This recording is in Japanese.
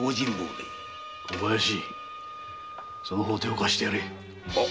小林その方手を貸してやれ。